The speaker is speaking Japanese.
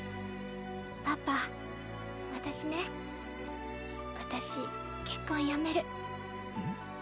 パパ私ね私結婚やめる。